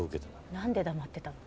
なんで黙ってたの？